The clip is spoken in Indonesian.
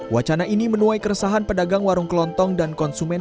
wacana ini menuai keresahan pedagang warung kelontong dan konsumen